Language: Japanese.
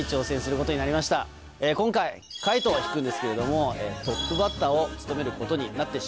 今回『カイト』を弾くんですけれどもトップバッターを務めることになってしまいました。